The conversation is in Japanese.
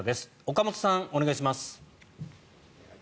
岡本さん、お願いします。